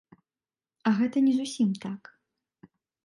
А гэта не зусім так.